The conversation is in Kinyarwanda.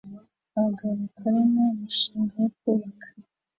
Abagabo bakorana umushinga wo kubaka